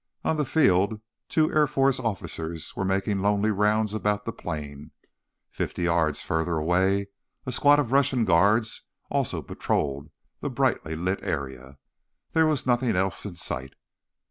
On the field, two air force officers were making lonely rounds about the plane. Fifty yards farther away, a squad of Russian guards also patrolled the brightly lit area. There was nothing else in sight.